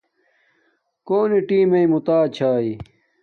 کݸنݵ ٹݵمݵئ مُتݳئݵ چھݳئݺ؟